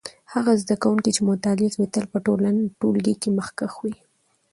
هغه زده کوونکی چې مطالعه کوي تل په ټولګي کې مخکښ وي.